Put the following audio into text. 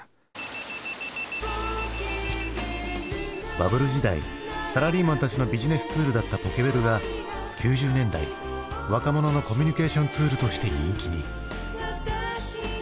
バブル時代サラリーマンたちのビジネスツールだったポケベルが９０年代若者のコミュニケーションツールとして人気に。